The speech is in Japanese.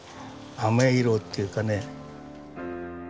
あめ色っていうかね。